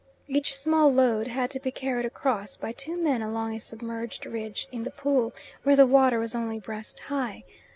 Each small load had to be carried across by two men along a submerged ridge in the pool, where the water was only breast high.